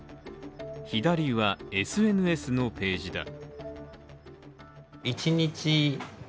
左はＳＮＳのページだ。